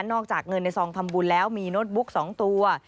อกจากเงินในซองทำบุญแล้วมีโน้ตบุ๊ก๒ตัว